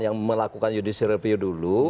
yang melakukan judicial review dulu